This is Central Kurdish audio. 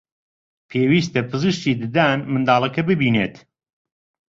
پێویستە پزیشکی ددان منداڵەکە ببینێت